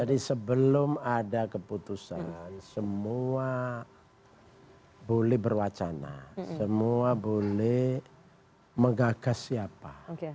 jadi sebelum ada keputusan semua boleh berwacana semua boleh mengagas siapa